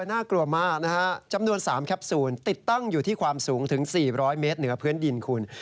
น่ากลัวมากนะฮะจำนวน๓แคปซูลติดตั้งอยู่ที่ความสูงถึง๔๐๐เมตรเหนือพื้นดินคุณ